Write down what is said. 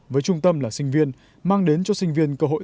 với trung tâm là sinh viên mang đến cho sinh viên cơ hội